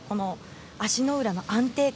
足の裏の安定感。